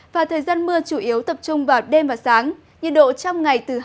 và thời gian mưa chủ yếu tập trung vào đêm và sáng nhiệt độ trong ngày từ hai mươi năm đến ba mươi năm độ